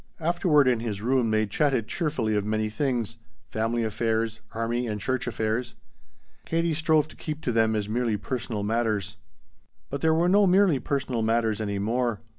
Afterward in his room they chatted cheerfully of many things: family affairs, army and church affairs. Katie strove to keep to them as merely personal matters. But there were no merely personal matters any more.